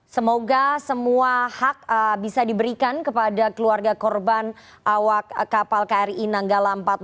semoga semua hak bisa diberikan kepada keluarga korban awak kapal kri nanggala empat ratus dua